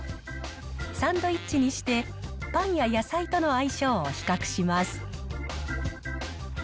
サンドイッチにして、パンや野菜との相性を比較します。